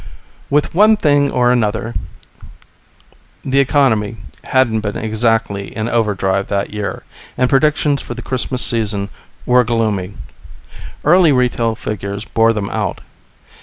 With one thing and another, the economy hadn't been exactly in overdrive that year, and predictions for the Christmas season were gloomy. Early retail figures bore them out.